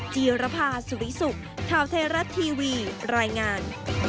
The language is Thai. จีรภาสุวิสุกทาวเทราะทีวีรายงาน